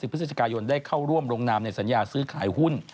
พฤศจิกายนได้เข้าร่วมลงนามในสัญญาซื้อขายหุ้น